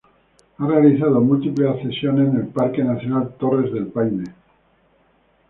Ha realizado múltiples ascensiones en el Parque Nacional Torres del Paine.